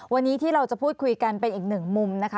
วันนี้ที่เราจะพูดคุยกันเป็นอีกหนึ่งมุมนะคะ